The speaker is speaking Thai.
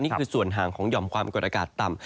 นี่คือส่วนห่างของหย่อมความกดอากาศต่ำ